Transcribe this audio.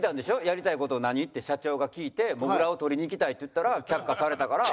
「やりたい事何？」って社長が聞いて「モグラを捕りに行きたい」って言ったら却下されたから。